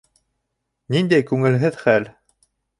Ниндәй күңелһеҙ хәл!